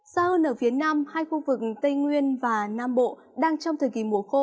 xa hơn ở phía nam hai khu vực tây nguyên và nam bộ đang trong thời kỳ mùa khô